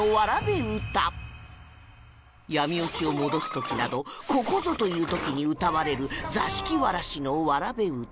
闇落ちを戻す時などここぞという時に歌われる座敷わらしの童歌